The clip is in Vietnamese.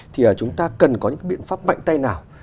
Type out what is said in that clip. thì chúng ta cần có những biện pháp mạnh tay nào